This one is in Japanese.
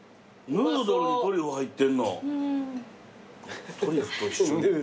ヌードルにトリュフ入って。